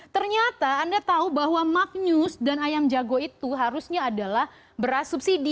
ternyata anda tahu bahwa magn news dan ayam jago itu harusnya adalah beras subsidi